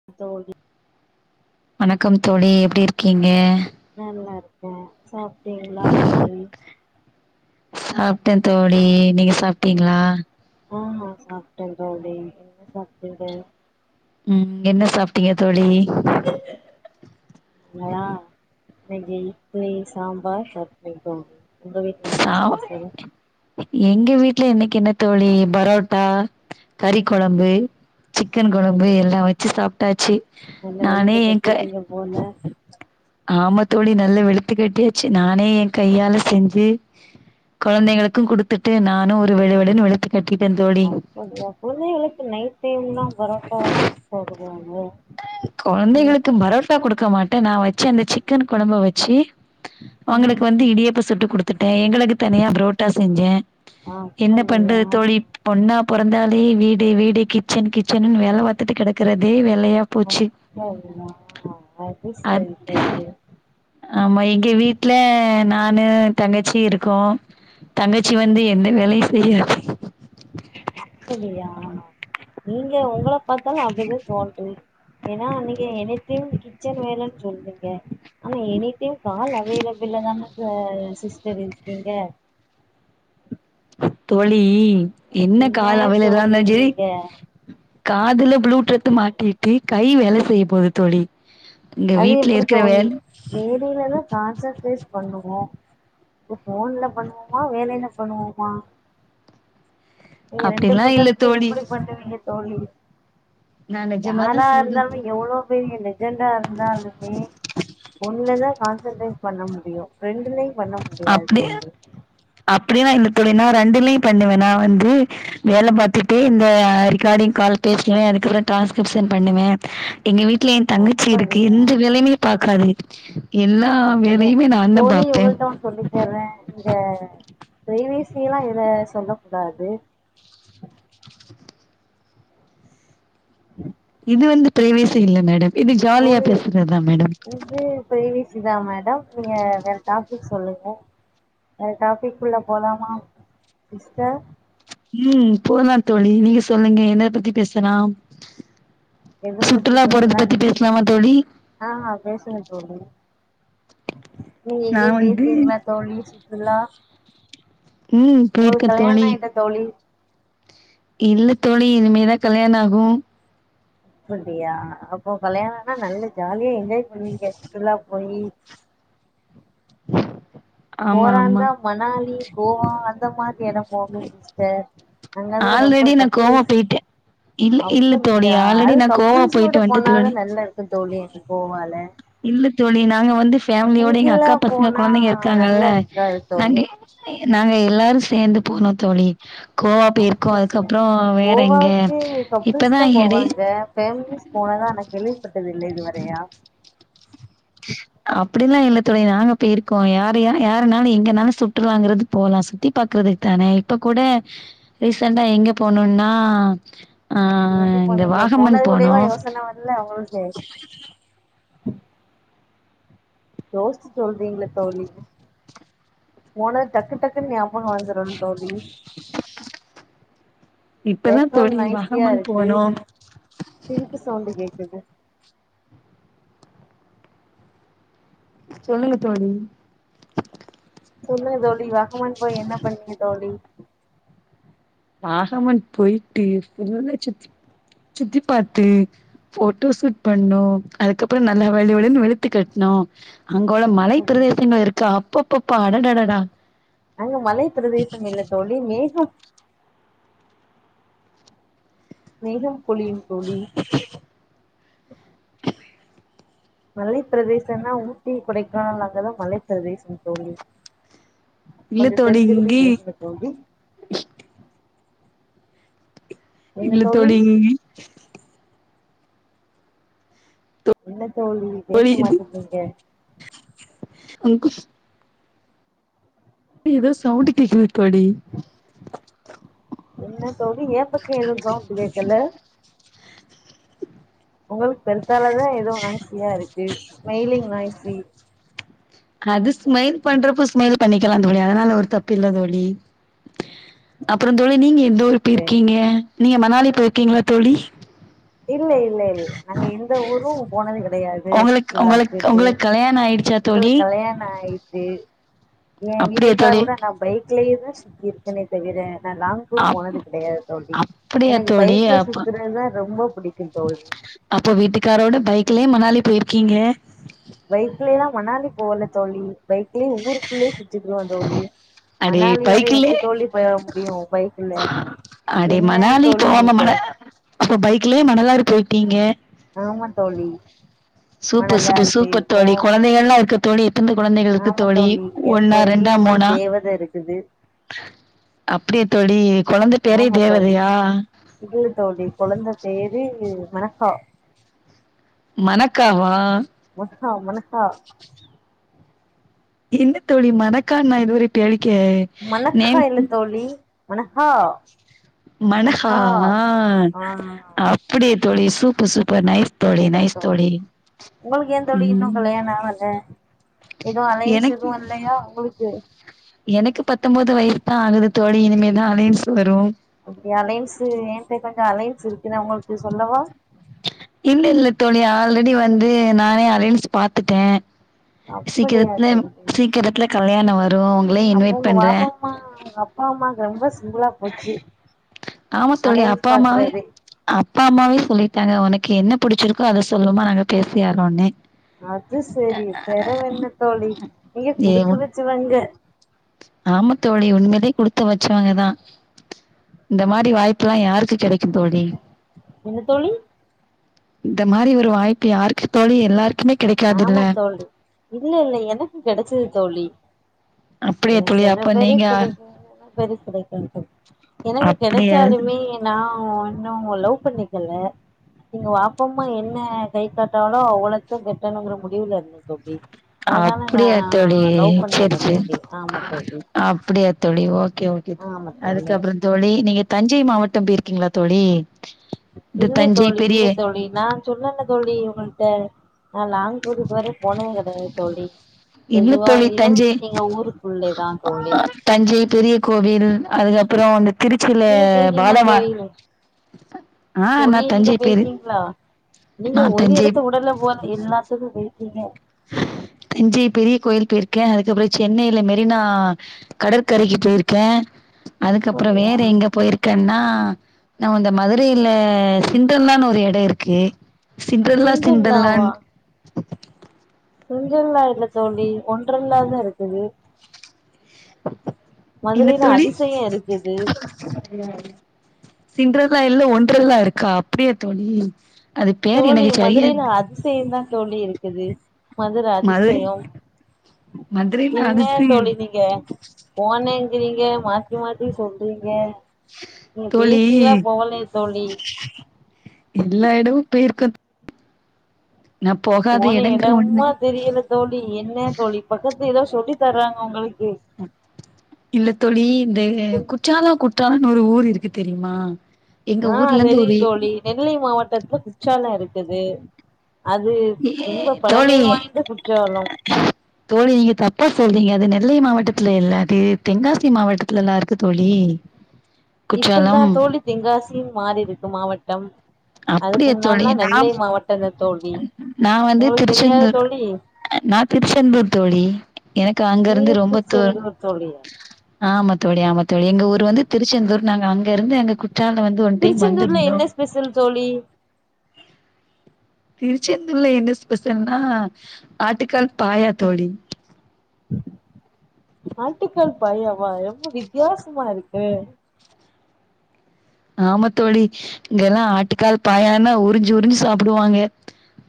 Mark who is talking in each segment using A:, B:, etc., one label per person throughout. A: [unintelligible]
B: வணக்கம் தோழி எப்டி இருக்கீங்க
A: நல்லா இருக்கோ சாப்ட்டிங்கல்லா எப்டி
B: சாப்ட்ட தோழி நீங்க சாப்ட்டீங்களா
A: ஆ சாப்ட்ட தோழி [unintelligible]
B: ம் என்ன சாப்ட்டீங்க தோழி
A: ங்களா இன்னிக்கு இட்லி சாம்பார் [unintelligible] உங்க வீட்டுல
B: சா
A: என்ன ஸ்பெசல்
B: எங்க வீட்டுல இன்னிக்கு என்ன தோழி பரோட்டா கறி குழம்பு சிக்கன் குழம்பு
A: அது
B: எல்லா வச்சு சாப்ட்டாச்சு
A: நல்லா
B: நானே
A: வெளுத்து
B: எங்க
A: கட்டிட்டீங்க போல
B: ஆமத்தோழி நல்ல வெளுத்து கட்டியாச்சு நானே எய கையால செஞ்சு கொழந்தைங்களுக்கும் கொடுத்துட்டு நானு ஒரு வெளுவெளுன்னு வெளுத் கட்டிட தோழி
A: அப்பா குழந்தைகளுக்கு நைட் டைம்ல்லா பரோட்டா போடுவாங்க இன்னைக்கு
B: கொழந்தைகளுக்கு பரோட் ட்டா கொடுக்க மாட்ட நா வச்ச அந்த சிக்கன் குழம்ப வச்சு அவங்களுக்கு
A: ம்
B: வந்து இடியாபம் சுட்டு கொடுத்து எங்களுக்கு தனியா புரோட்டா செஞ்ச என்ன
A: அப்படியா
B: பண்றது தோழி பொண்ணா பிறந்தாலே வீடு வீடு கி கிச்சன் கிச்சன்னு வேல பாத்துட்டு கிடக்கறதே வேலையா போச்சு
A: [unintelligible] ஆ அது
B: அத்
A: சேரி தோழி
B: ஆமா எங்க வீட்டு்ல நானு தங்கச்சி இருக்கும் தங்கச்சி வந்து எந்த வேலயு செய்யாது
A: அப்டியா ஆமா நீங்க உங்கள பாத்தாலு அப்டிதா தோணுது ஏன்னா நீங்க எனிடைம் கிச்சன் வேலன்னு சொல்ரிங்க ஆனா எனிடைம் கால் அவையலபிள் தான சிஸ்டர் இருக்கீங்க
B: தோழி என்ன கால் அவைலா
A: தோழி
B: இருந்தாலு சரி
A: நீங்க
B: காதுல ப்ளூட்டூத்து மாட்டிட்டு இருக்கு கை வேல செய்ய போது தோழி இங்க வீட்டு்ல இருக்குற வேல
A: வேலைல தா கான்சன்ட்ரெட் பண்ணுவோ இப்ப போன்ல பண்ணுவோமா வேலையில பண்ணுவோமா நீங்க ரெண்டு
B: அப்டிலா இல்ல
A: பக்கத்துலயு
B: தோழி
A: எப்டி பண்ணுவீங்க தோழி
B: நா நெஜமாதா
A: யாரா
B: சொல்றே
A: இருந்தாலு
B: தோழி
A: எவ்ளோ பெரியலே அர்ஜெண்டா இருந்தாலுமே ஒன்ல தா கான்சன்ட்ரேட் பண்ண முடியு ரெண்டுலயு பண்ண முடியாது தோழி
B: அப்டில்லா இல்ல தோழி நா ரெண்டுலயு பண்ணுவ நா வந்து வேல பார்த்துட்டே இந்த ரெக்கார்டிங் கால் பேசுவ அதுக்கப்ற டிரான்ஸ்கிரிப்ஷன் பண்ணுவ எங்க வீட்டுல எய தங்கச்சி இருக்கு
A: அப்படியா
B: எந்த வேலையுமே பாக்காது எல்லா வேலையுமே நானுந்தா பாப்பே
A: சொல்றேன் இங்க பிரைவேசி எல்லா இதுல சொல்ல கூடாது
B: இது வந்து பிரைவேசி இல்ல மேடம் இது ஜாலியா பேசுறது தா மேடம்
A: இ பிரைவேசி தா மேடம் நீங்க வேற டாப்பிக் சொல்லுங்க வேற டாப்பிக்குள்ள போலாமா சிஸ்டர்
B: ம் போலா தோழி நீங்க சொல்லுங்க என்னய பத்தி பேசலா
A: எத பத்தி
B: சுற்றுலா போறது
A: பேசலான்
B: பத்தி பேசலாமா தோழி
A: ஆ பேசுங்க தோழி நீங்க
B: நான்
A: எங்கியாது
B: வந்து
A: பெய்ருக்கீங்களா தோழி சுற்றுலா
B: ம்
A: உங்களுக்கு
B: போயிருக்கேன்
A: கல்யாணம்
B: தோழி.
A: ஆயிட்டா தோழி
B: இல்ல தோழி இனிமேதா கல்யாணோ ஆகு
A: அப்டியா அப்போ கல்யாணோ ஆனா நல்ல ஜாலியா என்ஜாய் பண்ணுவீங்க சுற்றுலா போயி
B: ஆமா ஆமா.
A: போறாந்தா மணாலி கோவா அந்த மாரி எடம் போங்க சிஸ்டர் அங்கதா ரொம்ப
B: ஆல்ரெடி நா கோவா
A: கப்பிள்ஸ்
B: போயிட்டே இல்ல இல்ல தோழி
A: அப்டியா
B: ஆல்ரெடி
A: அது
B: நா கோவா
A: கப்பிள்ஸோட
B: போயிட்டு வன்ட்டே
A: போனாதா
B: தோழி
A: நல்லா இருக்கு தோழி எனக்கு கோவால
B: இல்ல தோழி நாங்க வந்து ஃபேமிலியோட எங்க
A: சிங்கிளா
B: அக்கா பசங்க
A: போனா
B: கொழந்தைங்க
A: நல்லா
B: இருக்காங்கல்ல
A: இருக்காது தோழி
B: நண்டு நாங்க எல்லாரு சேர்ந்து போனோ தோழி கோவா போயிருக்கோ அதுக்கப்றோ வேற எங்க
A: கப்பிள்ஸ்
B: இப்பதா
A: தா
B: எடை
A: போவாங்க ஃபேமிலிஸ் போனதா நா கேள்விப்பட்டது இல்ல இதுவரையா
B: அப்டிலா இல்ல தோழி நாங்க போயிருக்கோ யாரயா யாரனாலு எங்கனாலு சுட்டுருவாங்கறது போலா சுத்தி பாக்குறதுக்கு தானே இப்ப கூட ரீசென்டா எங்க போனோனா
A: எங்க போனீங்க போனது கூடயுவா யோசனை வர்ல உங்களுக்கு யோசிச்சு சொல்றீங்களே தோழி போனது டக்கு டக்கு டக்குனு ஞாபகம் வந்துரனு தோழி
B: இப்பதா
A: பேக்ரவுண்ட்
B: தோழி
A: நாய்ஸியா
B: வகமன்
A: இருக்கு
B: போனோ
A: சிரிப்பு சவுண்டு கேக்குது
B: சொல்லுங்க தோழி
A: சொல்லுங்க தோழி வகமன் போய் என்ன பண்ணிங்க தோழி
B: பாகமன் போயிட்டு ஃபுல்லா சுத்தி சுத்தி பார்த்து போட்டோ சூட் பண்ணோ அதுக்கப்புறோ நல்லா வெளு வெளுனு வெளுத்து கட்ணோ அங்க உள்ள மலை பிரதேசங்கள் இருக்கு அப்பப்பப்பா அடடடடா
A: அங்க மலை பிரதேசம் இல்ல தோழி மேகம் மேகம் பொழியு தோழி மலைப்பிரதேசனா ஊட்டி கொடைக்கானல் அங்கதா மலைப்பிரதேசம் தோழி
B: இல்ல தோழி இங்கியு
A: வந்து என்ன
B: இல்ல
A: தோழி
B: தோழிங்
A: என்ன தோழி பேச மாட்டிக்கீங்க
B: அங்கு ஸ் ஏ எதோ சவுண்டு கேக்க வைக்காடி
A: என்ன தோழி ஏன் பக்கோ எது சவுண்டு கேக்கல உங்களுக் பெருத்தால தா ஏதோ நாய்சியா இருக்கு ஸ்மெலிங் நாய்சி
B: அது ஸ்மைல் பண்றப்போ ஸ்மைல் பண்ணிக்கலா தோழி அதனால ஒரு தப்பு இல்ல தோழி அப்றோம் தோழி நீங்க எந்த ஊரு
A: டு
B: போயிருக்கீங்க நீங்க மணாலி போயிருக்கீங்ளா தோழி
A: இல்ல இல்ல இல்ல நாங்க எந்த ஊரும் போனது கெடையாது க்கு
B: உங்களுக்கு உங்களுக்கு
A: சுற்றுலாத்துட்டு
B: உங்களுக்கு கல்யாண ஆயிடுச்சா தோழி
A: எங்களுக்கு கல்யாணோ ஆயி எ
B: அப்படியா தோழி
A: வீட்டுக்காரோட நா பைக்லயே தா சுத்தி இருக்கன்னே தவிரே நா லாங் டூர்
B: அப்
A: போனது கெடையாது தோழி
B: அப்படியா
A: எனக்கு
B: தோழி
A: பைக்ல
B: அப்ப
A: சுத்துறதுதா ரொம்ப பிடிக்கும் தோழி
B: அப்போ வீட்டுக்காரோட பைக்லயே மணாலி போயிருக்கீங்க
A: பைக்லயேலா மணாலி போல தோழி பைக்லேயே ஊருக்குள்ளயே சுத்திக்குடுவோ தோழி
B: அடே
A: மணாலி வரை
B: பைக்லயே
A: எப்டி தோழி போக முடியும் பைக்ல
B: அப்டி
A: என்ன
B: மனாலி
A: தோழி
B: போகம மன
A: நீங்க
B: அப்ப பைக்லேயே மணலாரு போயிட்டீங்க
A: ஆமா தோழி
B: சூப்பர்
A: மணலா
B: சூப்பர் சூப்பர்
A: போயிருக்கோ
B: தோழி கொழந்தைகள் எல்லாம இருக்க தோழி எந்த கொழந்தைகள் இருக்கு
A: ஆமா
B: தோழி
A: எனக்கு
B: ஒன்னா
A: ஒரே
B: ரெண்டா
A: ஒரு
B: மூனா
A: தேவதை இருக்குது
B: அப்டியா தோழி கொழந்த பேரே தேவதயா
A: இழு தோழி கொழந்தை பேரு மனக்கா
B: மனக்காவா
A: மனுசா மனுசா
B: இல் என்ன தோழி மணக்கான் நா இதுவர பேளிக்க
A: மனக்கா இல தோழி மனஹா
B: மனகா
A: மனஹா
B: ஆ
A: ஆ
B: அப்டியா தோழி சூப்பு சூப்பு
A: குட்டி தான் தோழி உங்களுக்கு ஏ தோழி இன்னும்
B: ம்
A: கல்யாணோ ஆகல எதுவும் அலையன்ஸ்
B: எனக்கு
A: எதுவு இல்லையா உங்களுக்கு
B: எனக்கு பத்தொன்பது வயசு தா ஆகுது தோழி இனிமே தான் அலேன்ஸ் வரும்
A: அப்டி அலையன்ஸ் ஏன்ட்ட கொஞ்சோம் அலையன்ஸ் இருக்கு நா உங்களுக்கு சொல்லவா
B: இல்ல இல்ல தோழி ஆல்ரெடி வந்து நானே அலைன்ஸ் பாத்துட்டே
A: அப்படியா
B: சீக்கிரத்துல சீக்கிரத்துல கல்யாணோ வரும்
A: அப்றோ உங்க வாப்பா அம்மா உங்க அப்பா அம்மாங்க ரொம்ப சிம்பிளா போச்சு
B: ஆமா தோழி
A: அலைன்ஸ்
B: அப்பா அம்மாவே
A: பாக்றதே
B: அப்பா அம்மாவே சொல்லிட்டாங்க உனக்கு என்ன புடிச்சிருக்கோ அத சொல்லுமா நாங்க பேசியாரோன்னு
A: அது சரி பெறவென்ன தோழி நீங்க குடுத்து வச்சவங்க
B: ஆமாத்தோழிஉண்மையிலே குடுத்து வச்சவங்க தா இந்த மாரி வாய்ப்பு எல்லாம் யாருக்கு கெடைக் தோழி
A: என்ன தோழி
B: இந்த மாரி ஒரு வாய்ப்பு யாருக்கு தோழி எல்லாருக்
A: ஆமா தோழி இல்ல இல்ல எனக்கும் கெடைச்சது தோழி
B: அப்படியா தோழி
A: பேசல்ல
B: அப்ப
A: பெர
B: நீங்க
A: கடைக்கு இப்பதைக்கு கெடைக்குன்ட்டு பெறகு
B: அப்படியா
A: கெடச்சாலுமே நான் ஒன்னும் உங்க லவ் பண்ணிக்கல எங்க வாப்பமா என்ன கை காட்டாலோ அவ்வளத்தா கெட்டணுங்ற முடிவுல இருந்தே தோழி அதனால நா
B: அப்டியாத் தோழி
A: லவ்
B: சேரி
A: பண்ணல
B: சேரி
A: தோழி ஆமா தோழி
B: அப்டியாத்தோழி ஓகே
A: ஆமா தோழி
B: அதுக்கப்புறம் தோழி நீங்க தஞ்சை மாவட்டம் போயிருக்கீங்ளா தோழி இந்த
A: இல்லை
B: தஞ்சை
A: தோழி
B: பெரிய
A: இல்லை தோழி நான் சொன்னேல தோழி உங்கள்ட்ட நான் லாங் டூருக்கு இதுவர போனதே கெடையாது தோழி
B: இல்ல
A: எதுவா
B: தோழி
A: ஆயிடும்
B: தஞ்சை
A: எங்க ஊருக்குள்ளதா தோழி
B: தஞ்சை பெரிய கோவில் அதுக்கப்புறோம் வந்து
A: நீங்க போய் இருக்கீங்ளா தோழி
B: ஆ
A: தோழி
B: நான்
A: நீங்க
B: தஞ்சை பெரி
A: போயிருக்கீங்ளா நீங்க
B: நான்
A: ஒரு
B: தஞ்சை
A: எடத்த உடல்ல ஓ எல்லாத்துக்கு வெயிட்டிங்கே
B: தஞ்சை பெரிய கோயில் போயிருக்கே அதுக்கப்றோ சென்னைல மெரினா கடற்கரைக்கு போயிருக்கே அதுக்கப்றோ
A: அப்படியா
B: வேற எங்க போயிருக் கன்னா நா இந்த மதுரைய்ல சிண்டன்லானு ஒரு எடோ இருக்கு ஓகே சிண்டர்லா சிண்டரலான்
A: சிண்டர்லாவா சிண்டர்லா இல்ல தோழி ஒண்டர்ல தா இருக்குது
B: என்ன
A: மதுரையில
B: தோழி
A: அதிசயம் இருக்குது
B: சிண்டர்லா இல்ல ஒண்டர்லா இருக்கா அப்படியா தோழி அது பேர்
A: தோழி
B: எனக்கு சரியா
A: மதுரைல
B: இல்ல.
A: அதிசயந்தா தோழி இருக்குது மதுர
B: மதுரை
A: அதிசயம்
B: மதுரையில
A: என்ன
B: அரசு
A: தோழி நீங்க போனேங்கிறீங்க மாத்தி மாத்தி சொல்றீங்க உங்க
B: தோழி
A: பேத்திகளா போகலையா தோழி
B: எல்லா எடமு போய்ருக்கோ
A: போன
B: இடங்கிற ஒண்ணு
A: எடமா தெரியல தோழி என்ன தோழி பக்கத்துல எதோ சொல்லி தர்றாங்க உங்களுக்கு
B: இல்லத் தோழி இந்த குற்றாலோ குற்றாலனு ஒரு ஊரு இருக்கு தெரியுமா எங்க
A: ஆ
B: ஊர்ல இருந்து ஒரு
A: தெரியும் தோழி நெல்லை மாவட்டத்துல குச்சாலோ இருக்குது அது
B: ஏ
A: ரொம்ப
B: தோழி
A: பழமை வாய்ந்த குற்றாலம்
B: தோழி நீங்க தப்பா சொல்றீங்க அது நெல்லை மாவட்டத்துல இல்ல அது தென்காசி மாவட்டத்துல்லா இருக்கு தோழி
A: இப்ப தா
B: குற்றாலம்
A: தோழி தென்காசின் மாறி இருக்கு மாவட்டம் அதுக்கு
B: அப்படியா தோழி
A: முன்னல்லா
B: நா
A: நெல்லை மாவட்டந்தா தோழி
B: நா வந்து
A: உங்களுக்கு தெரியாத
B: திருச்செந்தூர்
A: தோழி
B: நா திருச்செந்தூர் தோழி எனக்கு
A: நீங்க
B: அங்கருந்து ரொம்ப தேன்
A: திருச்செந்தூர் தோழியா
B: ஆமாத்தோழி ஆமாத் தோழி எங்க ஊர் வந்து திருச்செந்தூர் நாங்க அங்கருந்து அங்க குற்றாலோ வந்
A: திருச்செந்தூர்ல என்ன ஸ்பெஷல் தோழி
B: திருச்செந்தூர்ல என்ன ஸ்பெஷல்னா ஆட்டுக்கால் பாயா தோழி
A: ஆட்டுக்கால் பாயவா ரொம்ப வித்தியாசமா இருக்கே
B: ஆமா தோழி இங்கெல்லா ஆட்டுக்கால் பாயனா உறிஞ்சு உறிஞ்சு சாப்பிடுவாங்க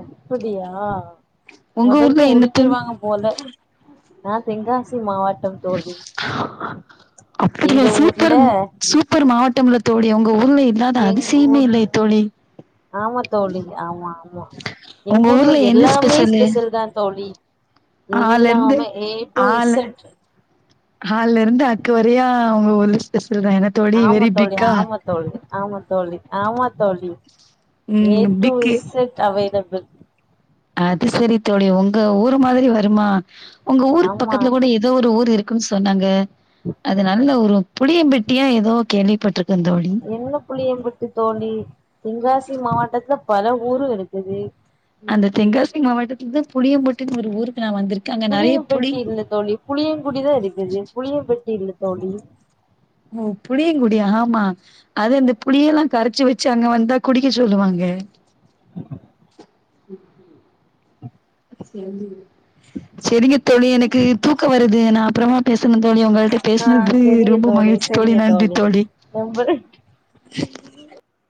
A: அப்படியா
B: உங்க ஊர்ல
A: மொத்ததுல
B: என்ன தோழி
A: உறிஞ்சிருவாங்க போல நா தெங்காசி மாவட்டம் தோழி
B: அப்படியா
A: எங்க ஊர்ல
B: சூப்பர் சூப்பர் மாவட்டம்ல தோழி உங்க ஊர்ல இல்லாத
A: எங்க
B: அதிசயமே
A: ஊர்ல
B: இல்லையே தோழி
A: ஆமா தோழி ஆமா ஆமா எங்க
B: உங்க
A: ஊர்ல
B: என்ன
A: எல்லாமே
B: ஸ்பெஷலு
A: ஸ்பெஷல் தா தோழி எல்லாமே ஏ டு இசட்
B: ஹால்லருந்து அக்குவரையு உங்க ஊரு ஸ்பெஷல் தா என்ன தோழி
A: ஆமா
B: வெரி
A: தோழி
B: பிக்கா
A: ஆமா தோழி ஆமா தோழி ஆமா தோழி ஏ
B: ம்
A: டு
B: பிக்கு
A: இசட் அவைலபிள்
B: அது செரி தோழி உங்க ஊரு மாத்ரி வருமா உங்க ஊருக்கு
A: ஆமா
B: பக்கத்துல கூட எதோ ஒரு ஊர் இருக் குன் சொன்னாங்க அது நல்ல ஒரு புளிய பெட்டியா எதோ கேள்விப்பட்ருக்கன் தோழி
A: என்ன புளியம்பட்டி தோழி தெங்காசி மாவட்டத்துல பல ஊரு இருக்குது
B: அந்த தெங்காசி மாவட்டத்துல தா புளியம்பட்டுன்னு ஒரு ஊருக்கு நா வந்திருக்கே அங்க நெறைய புலி
A: புளியம்பட்டி இல்ல தோழி புளியங்குடிதா இருக்குது புளிய பெட்டி இல்ல தோழி
B: ஓ புளியங்குடி ஆமா அது இந்த புளியே எல்லா கரச்சு வெச்சு அங்க வந்தா குடிக்க சொல்லுவாங்க [inaudible] செரிங்க தோழி எனக்கு தூக்க வருது நா அப்புறமா பேசுணு தோழி உங்கள்கிட்ட
A: ஆ
B: பேஸ்னது
A: செரிங்க
B: ரொம்ப மகிழ்ச்சி தோழி
A: செரிங்க
B: நன்றி தோழி
A: நம்பரு